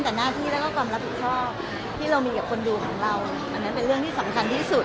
แต่หน้าที่แล้วก็ความรับผิดชอบที่เรามีกับคนดูของเราอันนั้นเป็นเรื่องที่สำคัญที่สุด